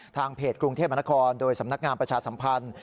ทางเพจกรุงเทพมนครโดยสำนักงานประชาสัมพันธ์